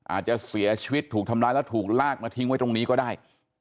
อาจจะเสียชีวิตถูกทำร้ายแล้วถูกลากมาทิ้งไว้ตรงนี้ก็ได้